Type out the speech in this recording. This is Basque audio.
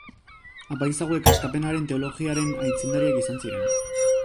Apaiz hauek Askapenaren teologiaren aitzindariak izan ziren.